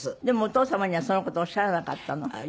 でもお父様にはその事おっしゃらなかったの？